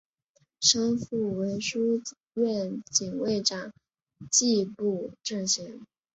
生父为书院警卫长迹部正贤。